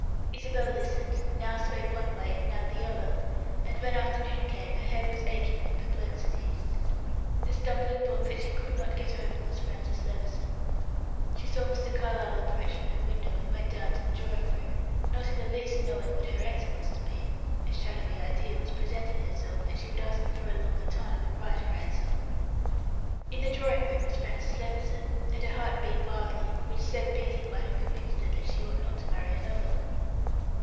Isabel listened, now swayed one way, now the other, and when afternoon came, her head was aching with perplexity. The stumbling block that she could not get over was Francis Levison. She saw Mr. Carlyle approach from her window, and went down to the drawing room, not in the least knowing what her answer was to be; a shadowy idea was presenting itself, that she would ask him for longer time, and write her answer. In the drawing room was Francis Levison, and her heart beat wildly; which said beating might have convinced her that she ought not to marry another.